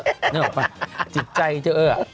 นั่นหรือเปล่าจิตใจเจ้าเอ้อ